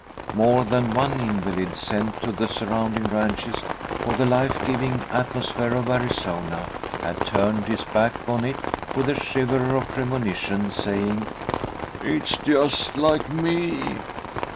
More than one invalid, sent to the surrounding ranches for the life giving atmosphere of Arizona, had turned his back on it with a shiver of premonition, saying, "It's just like me!